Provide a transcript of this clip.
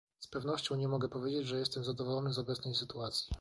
Z pewnością nie mogę powiedzieć, że jestem zadowolony z obecnej sytuacji